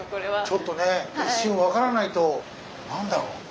ちょっとね一瞬分からないと何だろう。